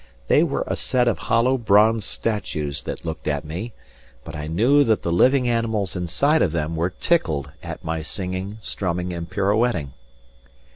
They were a set of hollow bronze statues that looked at me, but I knew that the living animals inside of them were tickled at my singing, strumming, and pirouetting.